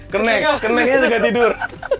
kerenek kereneknya juga tidur